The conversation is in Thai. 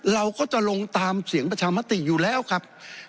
เราก็จะลงตามเสียงประชามติอยู่แล้วครับ